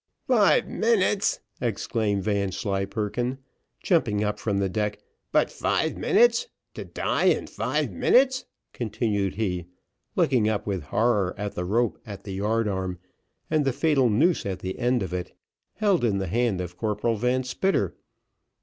"Five minutes!" exclaimed Vanslyperken, jumping up from the deck, "but five minutes to die in five minutes," continued he, looking up with horror at the rope at the yard arm, and the fatal noose at the end of it, held in the hand of Corporal Van Spitter.